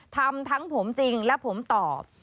ทำทั้งผมจริงและผมตอบ